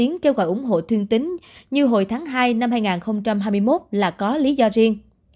như hồi tháng hai năm hai nghìn hai mươi một là có lý do riêng